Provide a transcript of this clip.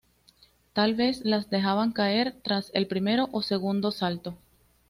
Tal vez las dejaban caer tras el primero o segundo salto.